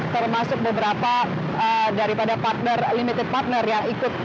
termasuk beberapa daripada partner limited partner ya